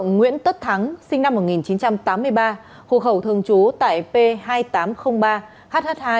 nguyễn tất thắng sinh năm một nghìn chín trăm tám mươi ba hộ khẩu thường trú tại p hai nghìn tám trăm linh ba hh hai